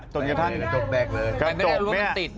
ตรงนี้ท่านกระจกเนี่ย